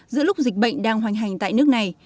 giữa lúc dịch bệnh đang hoành hành tại nước này